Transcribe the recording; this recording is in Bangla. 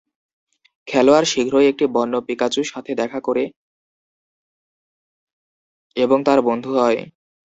খেলোয়াড় শীঘ্রই একটি বন্য পিকাচু সাথে দেখা করে এবং তার বন্ধু হয়।